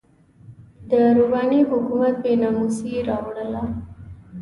د رباني حکومت بې ناموسي راواړوله.